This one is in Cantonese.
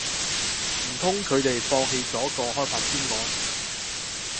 唔通佢哋放棄咗個開發專案